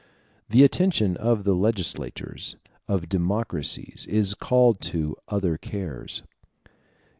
The attention of the legislators of democracies is called to other cares.